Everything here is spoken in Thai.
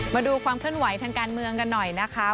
มาดูความเคลื่อนไหวทางการเมืองกันหน่อยนะคะ